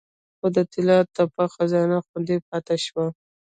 خو د طلا تپه خزانه خوندي پاتې شوه